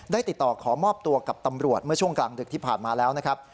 ติดต่อขอมอบตัวกับตำรวจเมื่อช่วงกลางดึกที่ผ่านมาแล้วนะครับ